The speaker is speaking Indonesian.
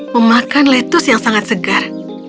memakan lettuce yang sangat segar